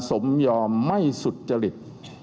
สมยอมไม่สุจริต